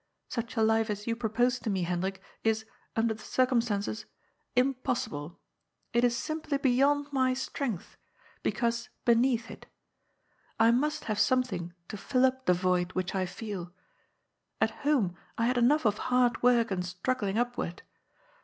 Such a life as you propose to me, Hendrik, is, under the circumstances, impossible. It is simply beyond my strength, because beneath it \ must have something to fill up the void which I feel. At home I had enough of hard work and struggling upward.